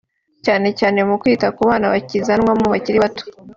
cyane cyane mu kwita ku bana bakizanwamo bakiri bato